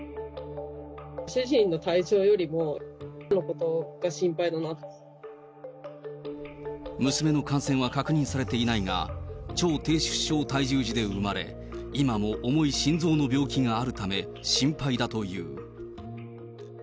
主人の体調よりも、娘の感染は確認されていないが、超低出生体重児で産まれ、今も思い心臓の病気があるため、心配だという。